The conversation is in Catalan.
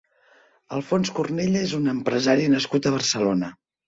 Alfons Cornella és un empresari nascut a Barcelona.